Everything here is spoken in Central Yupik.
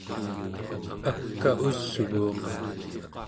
ak'a usguuq